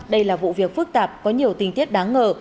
đây là vụ việc phức tạp có nhiều tình tiết đáng ngờ